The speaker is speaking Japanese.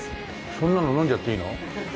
そんなの飲んじゃっていいの？